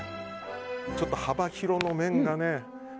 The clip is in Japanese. ちょっと幅広の麺がね。